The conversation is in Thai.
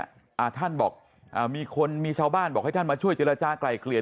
อ่าท่านบอกอ่ามีคนมีชาวบ้านบอกให้ท่านมาช่วยเจรจากลายเกลี่ย